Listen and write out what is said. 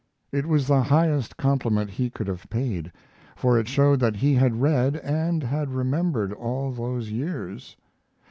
] It was the highest compliment he could have paid, for it showed that he had read, and had remembered all those years.